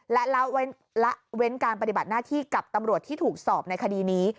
และละเว้นการปฏิบัติหน้าที่กับตำรวจที่ถูกสอบในคดีนี้